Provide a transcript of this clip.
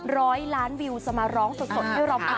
ร้อยล้านวิวจะมาร้องสดให้เราฟัง